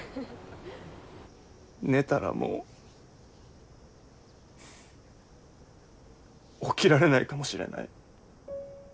寝たらもう起きられないかもしれない。